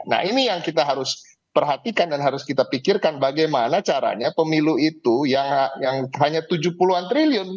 nah ini yang kita harus perhatikan dan harus kita pikirkan bagaimana caranya pemilu itu yang hanya tujuh puluh an triliun